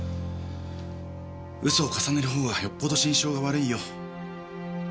嘘を重ねるほうがよっぽど心証が悪いよ。